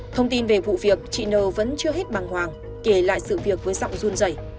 thông tin về vụ việc chị nờ vẫn chưa hết bằng hoàng kể lại sự việc với giọng run giày